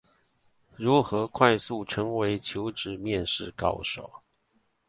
如何快速成為求職面試高手